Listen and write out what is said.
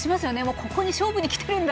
ここに勝負にきてるんだ！